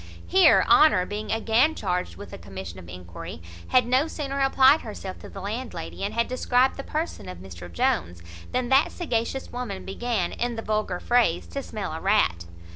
Here Honour, being again charged with a commission of enquiry, had no sooner applied herself to the landlady, and had described the person of Mr Jones, than that sagacious woman began, in the vulgar phrase, to smell a rat.